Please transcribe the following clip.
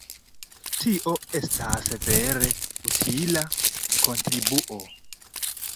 Tio estas vere utila kontribuo!